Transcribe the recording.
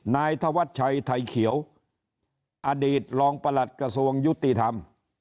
นายธวัชชัยไทยเขียวอดีตรองประหลัดกระทรวงยุติธรรม